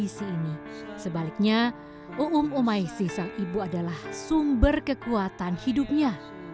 sebaliknya umum umayhsi sang ibu adalah sumber kekuatan hidupnya